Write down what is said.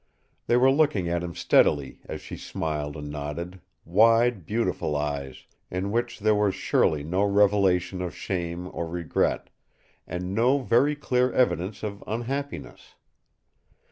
They were looking at him steadily as she smiled and nodded, wide, beautiful eyes in which there was surely no revelation of shame or regret, and no very clear evidence of unhappiness.